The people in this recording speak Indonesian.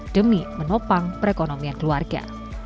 demi menopang perekonomian keluarga